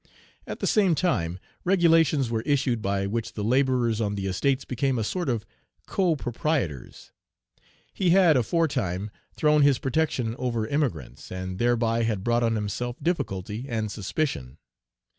At the same time, regulations were issued by which the laborers on the estates became a sort of co proprietors. He had, aforetime, thrown his protection over emigrants, and thereby had brought on himself difficulty and suspicion.